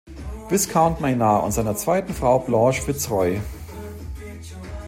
Viscount Maynard, und seiner zweiten Frau Blanche Fitzroy.